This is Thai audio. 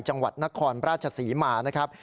จังหวัดนครราชศรีมานะครับ